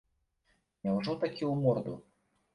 Няўжо такі ў морду?